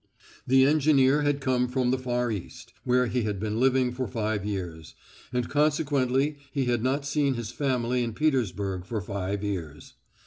The engineer had come from the Far East, where he had been living for five years, and consequently he had not seen his family in Petersburg for five years.